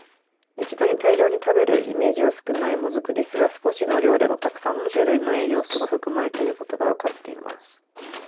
一度に大量に食べるイメージは少ない「もずく」ですが、少しの量でもたくさんの種類の栄養素が含まれていることがわかっています。